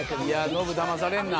［ノブだまされんな。